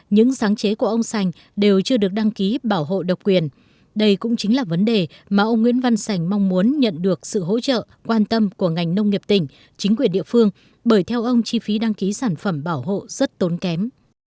những sáng chế của ông sành đều chưa được đăng ký bảo hộ độc quyền đây cũng chính là vấn đề mà ông nguyễn văn sành mong muốn nhận được sự hỗ trợ quan tâm của ngành nông nghiệp tỉnh chính quyền địa phương bởi theo ông chi phí đăng ký sản phẩm bảo hộ rất tốn kém